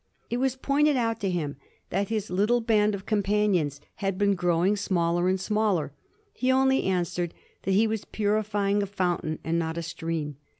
It was pointed out to him that his little band of companions had been growing smaller and small er; he only answered that he was purifying a fountain and not a stream.